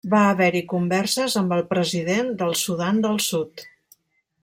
Va haver-hi converses amb el president del Sudan del Sud.